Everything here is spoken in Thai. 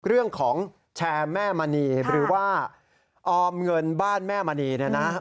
เรื่องของแชร์แม่มณีหรือว่าออมเงินบ้านแม่มณีเนี่ยนะ